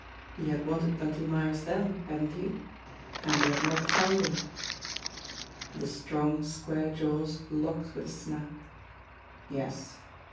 He had wanted Bunty Myers then, hadn't he? And he had not found him. The strong, square jaws locked with a snap. Yes